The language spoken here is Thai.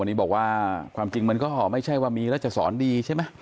วันนี้บอกว่าความจริงมันก็ไม่ใช่ว่ามีแล้วจะสอนดีใช่ไหม